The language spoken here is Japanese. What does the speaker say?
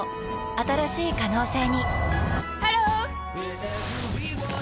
新しい可能性にハロー！